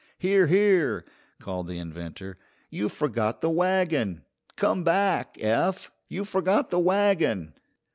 "Here, here!" called the inventor, "you've forgot the wagon. Come back, Eph! You've forgot the wagon!"